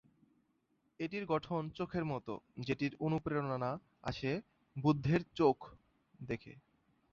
এটির গঠন চোখের মতো, যেটির অনুপ্রেরণা আসে 'বুদ্ধের চোখ' দেখে।